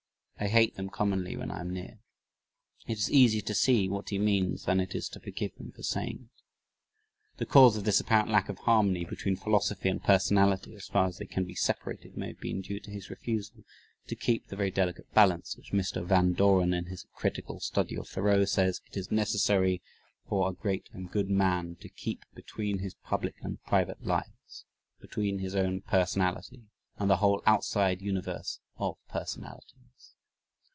I hate them commonly when I am near." It is easier to see what he means than it is to forgive him for saying it. The cause of this apparent lack of harmony between philosophy and personality, as far as they can be separated, may have been due to his refusal "to keep the very delicate balance" which Mr. Van Doren in his "Critical Study of Thoreau" says "it is necessary for a great and good man to keep between his public and private lives, between his own personality and the whole outside universe of personalities."